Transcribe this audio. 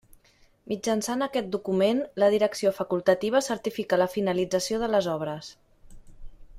Mitjançant aquest document, la direcció facultativa certifica la finalització de les obres.